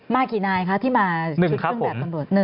มากี่นายคะที่มา๑ครับครับ